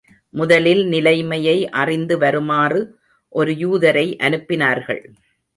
முதலில் நிலைமையை அறிந்து வருமாறு ஒரு யூதரை அனுப்பினார்கள்.